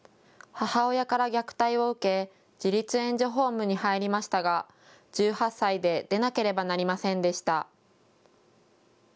母親から虐待を受け自立援助ホームに入りましたが１８歳で出なければなりませんでした。